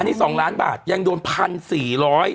อันนี้๒ล้านบาทยังโดน๑๔๔๖ปี